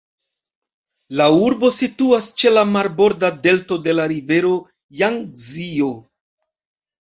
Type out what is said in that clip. La urbo situas ĉe la marborda delto de la rivero Jangzio.